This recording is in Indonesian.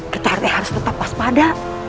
ketartai harus tetap waspada